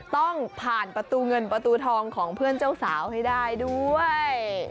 ต้องผ่านประตูเงินประตูทองของเพื่อนเจ้าสาวให้ได้ด้วย